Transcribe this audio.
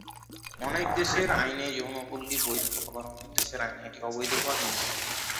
অনেক দেশের আইনে যৌনপল্লি বৈধ আবার অনেক দেশের আইনে এটি অবৈধ বা নিয়ন্ত্রিত।